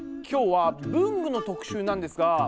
今日は文具の特集なんですが。